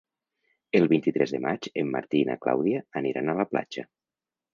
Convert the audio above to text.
El vint-i-tres de maig en Martí i na Clàudia aniran a la platja.